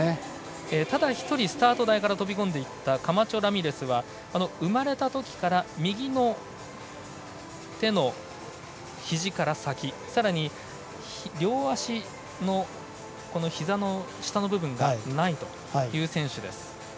ただ、１人スタート台から飛び込んでいったカマチョラミレスは生まれたときから右の手のひじから先さらに、両足のひざの下の部分がないという選手です。